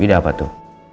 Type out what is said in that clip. ide apa tuh